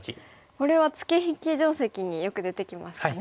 これはツケ引き定石によく出てきますかね。